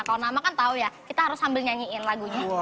kalau nama kan tau ya kita harus sambil nyanyiin lagunya